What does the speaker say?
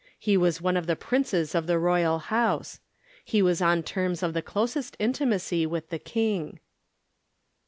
He was one of the princes of the royal house. Pie was on terms of the closest intimacy with the King.